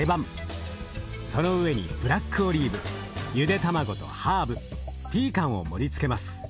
その上にブラックオリーブゆで卵とハーブピーカンを盛りつけます。